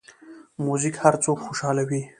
موزیک هر څوک خوشحالوي.